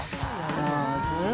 上手。